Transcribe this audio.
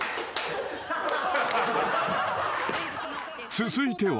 ［続いては］